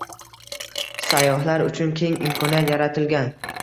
Sayyohlar uchun keng imkoniyat yaratilgan